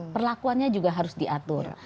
perlakuannya juga harus diatur